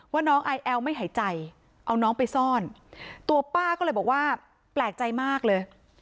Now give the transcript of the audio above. น้องไอแอลไม่หายใจเอาน้องไปซ่อนตัวป้าก็เลยบอกว่าแปลกใจมากเลย